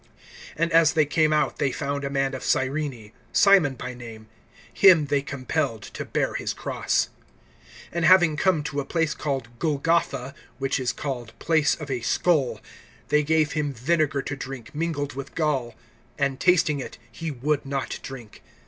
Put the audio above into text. (32)And as they came out they found a man of Cyrene, Simon by name; him they compelled to bear his cross. (33)And having come to a place called Golgotha (which is called, Place of a skull), (34)they gave him vinegar to drink[27:34], mingled with gall; and tasting it, he would not drink.